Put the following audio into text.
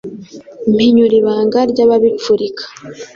Mpinyura ibanga ry'ababipfurika